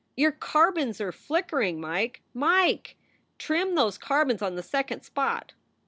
Your carbons are flickering. Mike ! Mike ! Trim those carbons on the second spot